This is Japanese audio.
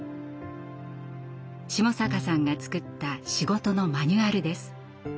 下坂さんが作った仕事のマニュアルです。